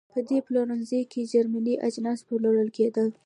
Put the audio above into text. په دې پلورنځۍ کې چرمي اجناس پلورل کېدل.